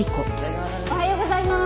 おはようございます。